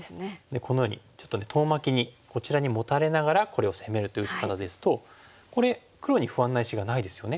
このようにちょっと遠巻きにこちらにモタれながらこれを攻めるという打ち方ですとこれ黒に不安な石がないですよね。